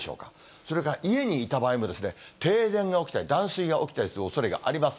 それから、家にいた場合も、停電が起きたり、断水が起きたりするおそれがあります。